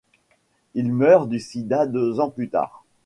Il meurt du sida deux ans plus tard.